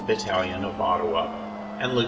Battalion, of Ottawa, and Lt.